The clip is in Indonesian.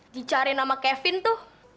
dicarin sama kevin tuh